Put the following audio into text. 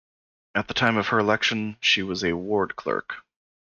At the time of her election, she was a ward clerk.